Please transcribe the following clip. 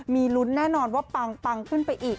มีลุ้นแน่นอนว่าปังขึ้นไปอีก